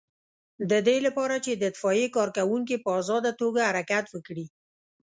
د دې لپاره چې د اطفائیې کارکوونکي په آزاده توګه حرکت وکړي.